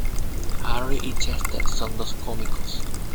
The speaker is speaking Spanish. Harry y Chester son dos cómicos.